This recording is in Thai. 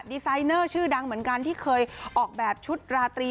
ดีไซเนอร์ชื่อดังเหมือนกันที่เคยออกแบบชุดราตรี